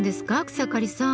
草刈さん。